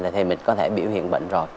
thì mình có thể biểu hiện bệnh rồi